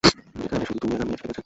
এখানে শুধু তুমি আর আমি আছি, ঠিক আছে?